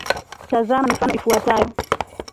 Tazama mifano ifuatayo;